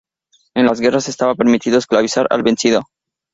En las guerras estaba permitido esclavizar al vencido.